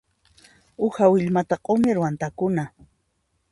Uha willmata q'umirwan takuna.